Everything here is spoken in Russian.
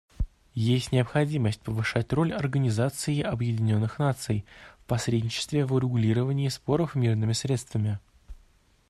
Есть необходимость повышать роль Организации Объединенных Наций в посредничестве в урегулировании споров мирными средствами.